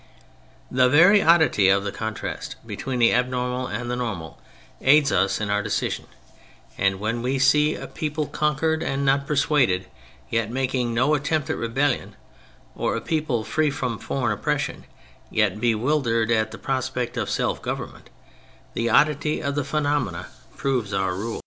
The very oddity of the contrast between the abnormal and the normal aids us in our decision, and when we see a people conquered and not persuaded, yet making no attempt at rebellion, or a people free from foreign oppression yet bewildered at the prospect of self government, the oddity of the phenomenon proves our rule.